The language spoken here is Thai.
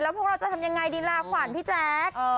พวกเราจะทำยังไงดีลาขวัญพี่แจ๊ค